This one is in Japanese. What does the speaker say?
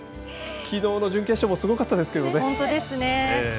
きのうの準決勝もすごかったですけどね。